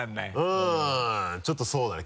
うんちょっとそうだね